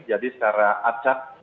jadi secara acak